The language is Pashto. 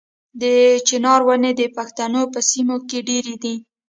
د چنار ونې د پښتنو په سیمو کې ډیرې دي.